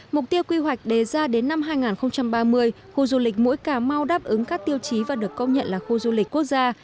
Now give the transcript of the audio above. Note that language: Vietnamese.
mục tiêu quy hoạch đề ra đến năm hai nghìn ba mươi khu du lịch mũi cà mau đáp ứng các tiêu chí và được công nhận là khu du lịch quốc gia